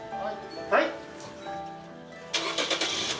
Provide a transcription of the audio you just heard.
はい。